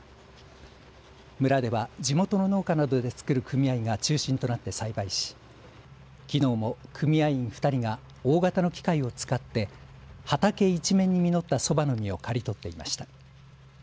村では地元の農家などでつくる組合が中心となって栽培しきのうも組合員２人が大型の機械を使って畑一面に実った、そばの実を刈り取っていました。